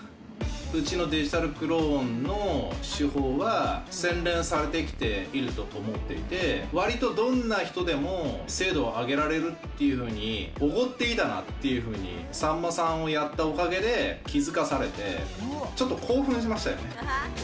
うちのデジタルクローンの手法は、洗練されてきていると思っていて、わりとどんな人でも精度を上げられるっていうふうにおごっていたなっていうふうに、さんまさんをやったおかげで気付かされて、ちょっと興奮しましたよね。